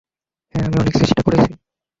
হ্যাঁ, আমি অনেক চেষ্টা করেছি!